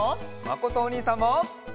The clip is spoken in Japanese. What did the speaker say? まことおにいさんも！